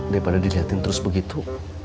daripada dilihatin terus begitu